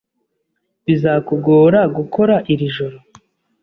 Bizakugora gukora iri joro?